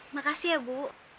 makasih ya bu